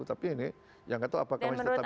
tapi ini yang nggak tahu apakah masih tetap dibangun